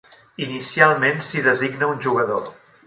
Inicialment s'hi designa un jugador.